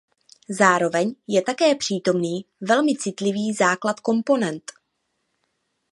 Zároveň je také přítomný velmi citlivý základ komponent.